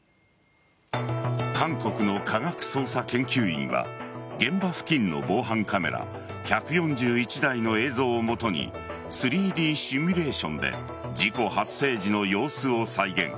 韓国の科学捜査研究院は現場付近の防犯カメラ１４１台の映像を基に３Ｄシミュレーションで事故発生時の様子を再現。